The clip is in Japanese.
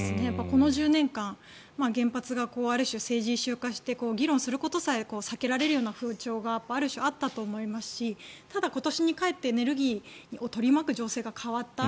この１０年間、原発がある種、政治イシュー化して議論することさえ避けられるような風潮がある種、あったと思いますしただ、今年になってエネルギーを取り巻く情勢が変わった。